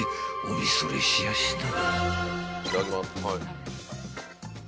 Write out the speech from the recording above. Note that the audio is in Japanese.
お見それしやした］